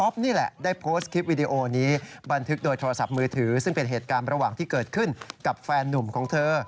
บันทึกโทรศัพท์มือถือซึ่งเป็นเหตุการณ์ระหว่างที่เกิดขึ้นกับแฟนหนุ่มของเธอ